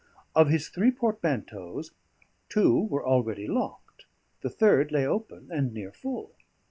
Of his three portmanteaus, two were already locked; a third lay open and near full.